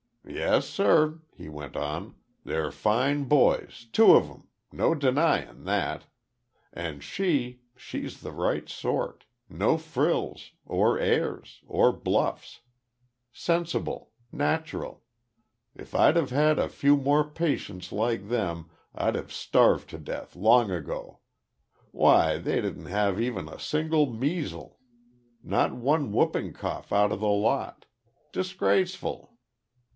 "Yes, sir," he went on, "they're fine boys, two of 'em no denying that. And she she's the right sort no frills, or airs, or bluffs. Sensible, natural. If I'd have had a few more patients like them, I'd have starved to death long ago. Why, they didn't have even a single measle not one whooping cough out of the lot. Disgraceful!"